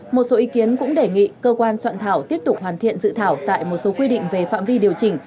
một số ý kiến cũng đề nghị cơ quan soạn thảo tiếp tục hoàn thiện dự thảo tại một số quy định về phạm vi điều chỉnh